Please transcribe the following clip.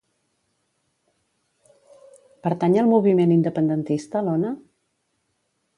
Pertany al moviment independentista l'Ona?